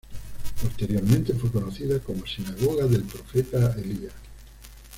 Posteriormente fue conocida como "Sinagoga del Profeta Elías".